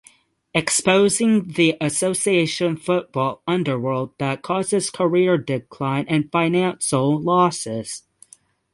Exposing the association football underworld that causes career decline and financial losses.